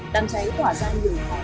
đăng cháy tỏa ra nhỏ